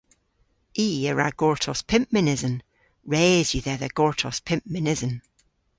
I a wra gortos pymp mynysen. Res yw dhedha gortos pymp mynysen.